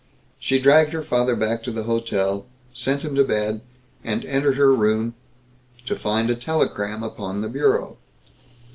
She dragged her father back to the hotel, sent him to bed, and entered her room to find a telegram upon the bureau.